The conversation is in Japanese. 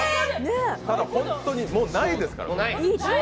ただ、本当に、もうないですから。